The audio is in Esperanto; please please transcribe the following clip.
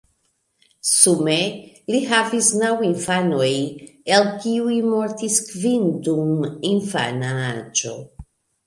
Sume li havis naŭ infanoj el kiuj mortis kvin dum infana aĝo.